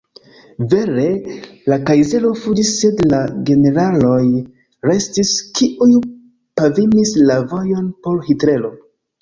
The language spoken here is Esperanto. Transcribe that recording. Vere, la kajzero fuĝis sed la generaloj restis, kiuj pavimis la vojon por Hitlero.